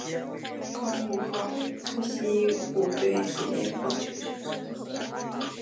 高木浩之西武队职业棒球选手。